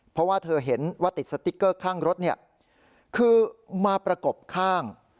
เพราะว่าเธอเห็นว่าติดสติ๊กเกอร์ข้างรถเนี่ยคือมาประกบข้าง